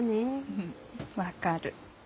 うん分かる。